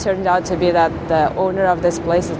ternyata pemilik tempat ini tidak memiliki tempat itu